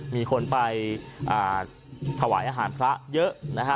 มีคนไปถวายอาหารพระเยอะนะฮะ